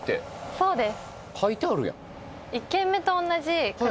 そうです